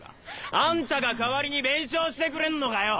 あんたが代わりに弁償してくれんのかよ？